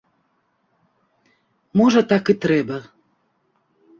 Можа, так і трэба.